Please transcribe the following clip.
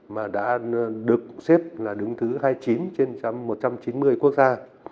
mà đã được xếp là đứng thứ hai mươi chín trên một trăm chín mươi quốc gia